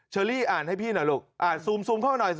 เชอรี่อ่านให้พี่หน่อยลูก